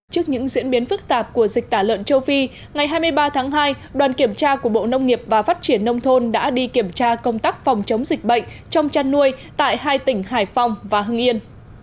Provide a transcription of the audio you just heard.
trước những diễn biến phức tạp của dịch tả lợn châu phi ngày hai mươi ba tháng hai đoàn kiểm tra của bộ nông nghiệp và phát triển nông thôn đã đi kiểm tra công tác phòng chống dịch bệnh trong chăn nuôi tại hai tỉnh hải phòng và hưng yên